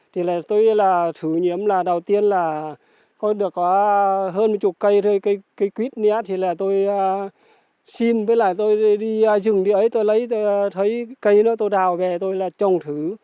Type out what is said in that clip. thì là tôi là thử nhiễm là đầu tiên là có được có hơn một chục cây thôi cây quýt này thì là tôi xin với lại tôi đi rừng đi ấy tôi lấy tôi thấy cây đó tôi đào về tôi là trồng thử